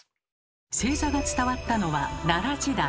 正座が伝わったのは奈良時代。